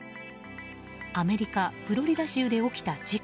アメリカ・フロリダ州で起きた事故。